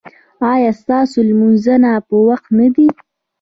ایا ستاسو لمونځونه په وخت نه دي؟